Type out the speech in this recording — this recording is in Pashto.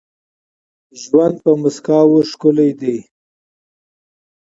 ژوند په مسکاوو ښکلی دي.